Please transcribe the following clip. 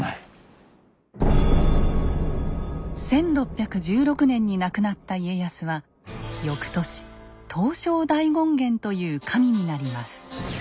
１６１６年に亡くなった家康は翌年東照大権現という神になります。